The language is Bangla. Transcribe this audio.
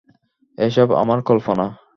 এসব আমার কল্পনা!